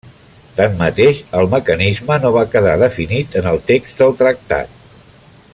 Tanmateix, el mecanisme no va quedar definit en el text del tractat.